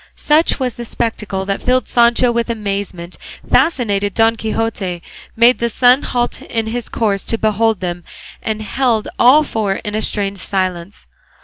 Such was the spectacle that filled Sancho with amazement, fascinated Don Quixote, made the sun halt in his course to behold them, and held all four in a strange silence.